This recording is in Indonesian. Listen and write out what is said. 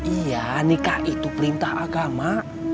iya nikah itu perintah agama